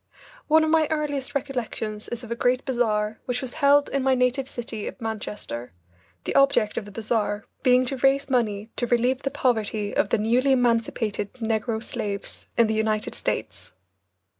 One of my earliest recollections is of a great bazaar which was held in my native city of Manchester, the object of the bazaar being to raise money to relieve the poverty of the newly emancipated negro slaves in the United States.